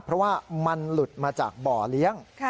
เพราะว่ามันหลุดมาจากบ่อเลี้ยง